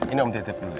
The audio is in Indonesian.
ini om tetep dulu ya